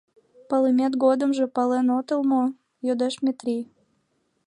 — Малымет годымжо пален отыл мо? — йодеш Метрий.